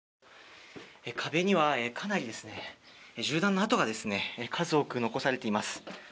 壁にはかなり銃弾の跡が数多く残されています。